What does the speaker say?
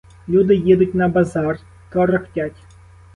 Люди їдуть на базар — торохтять.